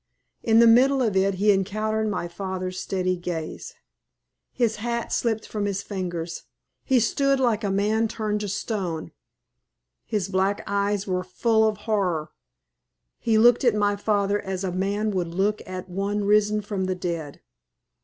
In the middle of it he encountered my father's steady gaze. His hat slipped from his fingers he stood like a man turned to stone. His black eyes were full of horror; he looked at my father as a man would look at one risen from the dead.